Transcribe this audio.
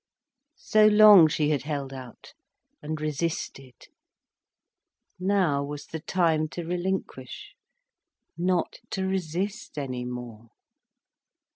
So long she had held out; and resisted. Now was the time to relinquish, not to resist any more.